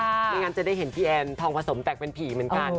ไม่งั้นจะได้เห็นพี่แอนทองผสมแตกเป็นผีเหมือนกัน